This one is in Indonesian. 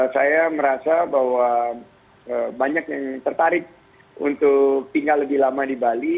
saya merasa bahwa banyak yang tertarik untuk tinggal lebih lama di bali